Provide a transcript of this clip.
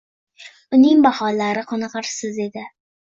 Uning baholari qoniqarsiz edi